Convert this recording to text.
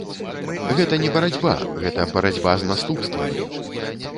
Гэта не барацьба, гэта барацьба з наступствамі.